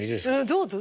どうぞ。